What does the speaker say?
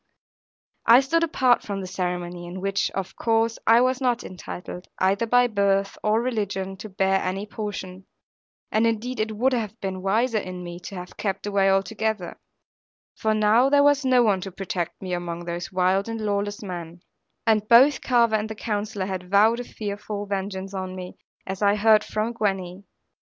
I stood apart from the ceremony, in which of course I was not entitled, either by birth or religion, to bear any portion; and indeed it would have been wiser in me to have kept away altogether; for now there was no one to protect me among those wild and lawless men; and both Carver and the Counsellor had vowed a fearful vengeance on me, as I heard from Gwenny.